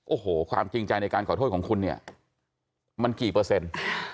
โอ้โหความจริงใจในการขอโทษของคุณเนี่ยมันกี่เปอร์เซ็นต์